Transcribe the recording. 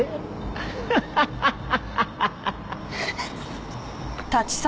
アハハハハ。